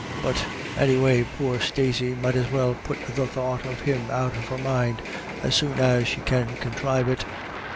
But any way, poor Stacey might as well put the thought of him out of her mind as soon as she can conthrive it.